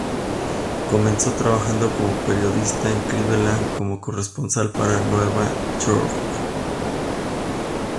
Comenzó trabajando como periodista en Cleveland como corresponsal para Nueva York.